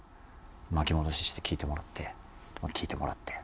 巻き戻しして聴いてもらって聴いてもらって。